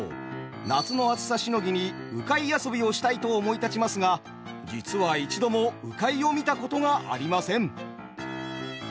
夏の暑さしのぎに「鵜飼遊び」をしたいと思い立ちますが実は一度も鵜飼を見たことがありません。